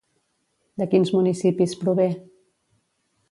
De quins municipis prové?